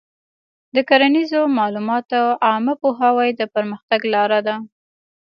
د کرنیزو معلوماتو عامه پوهاوی د پرمختګ لاره ده.